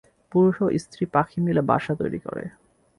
পুরুষ ও স্ত্রী পাখি মিলে বাসা তৈরী করে।